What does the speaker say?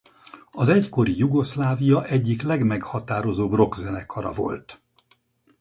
Az egykori Jugoszlávia egyik legmeghatározóbb rockzenekara volt.